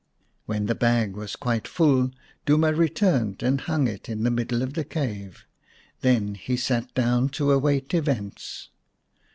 When the bag was quite full Duma returned and hung it in the middle of the cave. Then he sat down to await events.